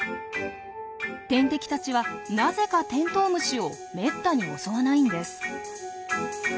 天敵たちはなぜかテントウムシをめったに襲わないんです。